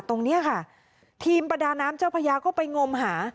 ตรงนี้ค่ะทีมประดาน้ำเจ้าพญาก็ไปงมหา